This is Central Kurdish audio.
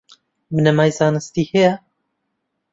بنەمای زانستی هەیە؟